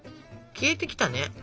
消えてきたよ。